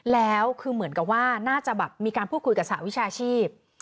แล้วคือเหมือนกับว่าน่าจะแบบมีการพูดคุยกับสหวิชาชีพ